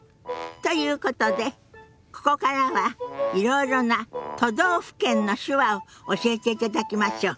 ということでここからはいろいろな都道府県の手話を教えていただきましょ。